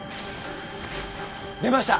出ました。